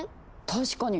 確かに！